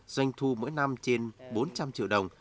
doanh thu mỗi năm trên bốn trăm linh triệu đồng